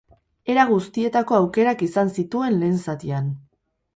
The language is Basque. Era guztietako aukerak izan zituen lehen zatian.